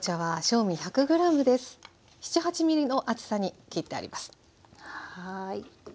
７８ｍｍの厚さに切ってあります。